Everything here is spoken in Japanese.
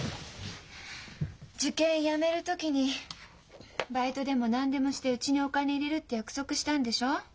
受験やめる時に「バイトでも何でもしてうちにお金入れる」って約束したんでしょう？